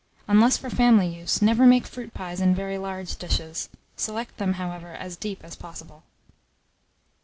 Unless for family use, never make fruit pies in very large dishes; select them, however, as deep as possible.